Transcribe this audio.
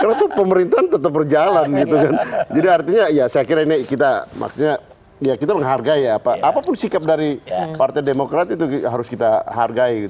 karena itu pemerintahan tetap berjalan gitu kan jadi artinya ya saya kira ini kita maksudnya ya kita menghargai ya apa pun sikap dari partai demokrat itu harus kita hargai